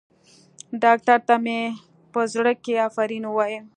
ډاکتر ته مې په زړه کښې افرين ووايه.